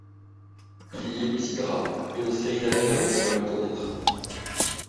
Il y élucidera une série d'affaires de vols dans des trains.